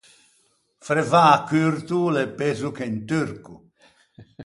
Frevâ curto o l’é pezo che un turco.